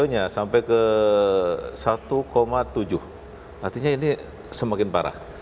artinya sampai ke satu tujuh artinya ini semakin parah